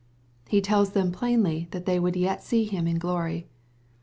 He tells them plainly that they would yet see Him in glory.